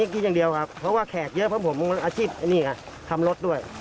กินอย่างเดียวครับเพราะว่าแขกเยอะเพราะผมอาชีพทำรถด้วย